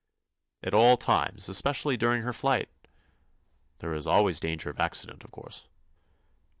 "At all times; especially during her flight." "There is always danger of accident, of course."